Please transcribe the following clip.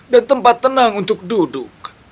dan tempat tenang untuk duduk